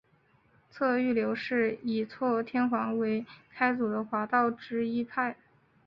嵯峨御流是以嵯峨天皇为开祖的华道之一派。